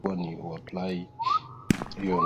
i inavyoendelea nchi inavyo develop